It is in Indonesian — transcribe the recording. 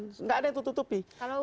tidak ada yang tutupi